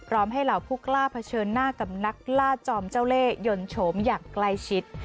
ให้เหล่าผู้กล้าเผชิญหน้ากับนักล่าจอมเจ้าเล่ยนโฉมอย่างใกล้ชิด